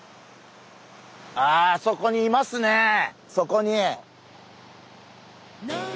あそこにいますねそこに。